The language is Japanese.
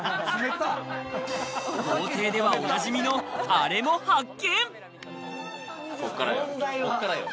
豪邸ではおなじみのアレも発見。